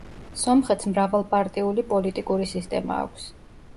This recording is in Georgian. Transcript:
სომხეთს მრავალპარტიული პოლიტიკური სისტემა აქვს.